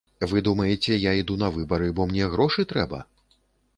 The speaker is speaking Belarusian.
Вы думаеце, я іду на выбары, бо мне грошы трэба?